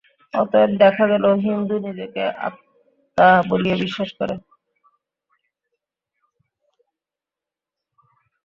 অতএব দেখা গেল, হিন্দু নিজেকে আত্মা বলিয়া বিশ্বাস করে।